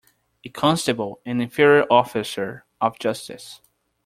A constable an inferior officer of justice.